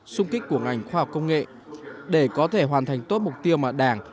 xung kích của ngành khoa học công nghệ để có thể hoàn thành tốt mục tiêu mà đảng